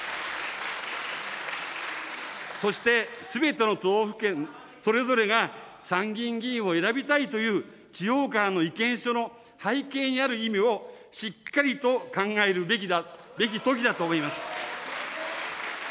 そして、すべての都道府県それぞれが、参議院議員を選びたいという地方からの意見書の背景にある意味をしっかりと考えるべきときだと思います。